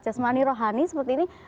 jasmani rohani seperti ini